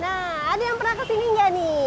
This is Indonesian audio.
nah ada yang pernah kesini nggak nih